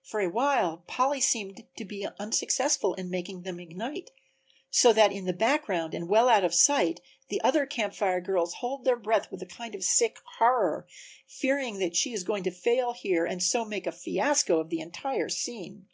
For a while Polly seemed to be unsuccessful in making them ignite, so that in the background and well out of sight the other Camp Fire girls hold their breath with a kind of sick horror, fearing that she is going to fail here and so make a fiasco of the entire scene.